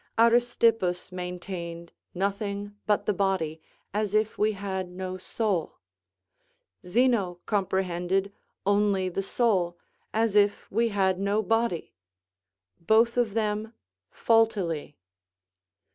Aristippus maintained nothing but the body, as if we had no soul; Zeno comprehended only the soul, as if we had no body: both of them faultily.